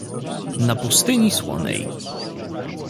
"Na pustyni słonej."